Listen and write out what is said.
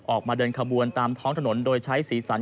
ออกมาเดินขบวนตามท้องถนนโดยใช้สีสัน